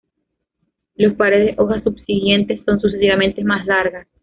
Los pares de hojas subsiguientes son sucesivamente más largas.